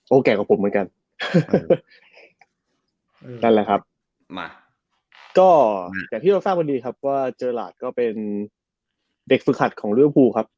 โอ้แก่กว่าผมเหมือนกันนั่นแหละครับมาก็อยากที่เราสร้างก่อนดีครับว่าเจอหลาดก็เป็นเด็กศึกฮัตของเรื้อพูครับ